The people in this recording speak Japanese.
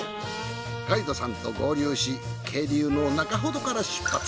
ガイドさんと合流し渓流の中ほどから出発。